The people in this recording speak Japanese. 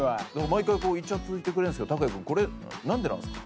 毎回こうイチャついてくれるんですけどＴＡＫＵＹＡ∞君これなんでなんですか？